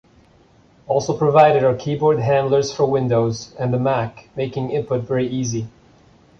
Also provided are keyboard handlers for Windows and the Mac, making input very easy.